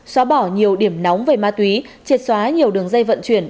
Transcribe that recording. xóa bỏ nhiều điểm nóng về ma túy triệt xóa nhiều đường dây vận chuyển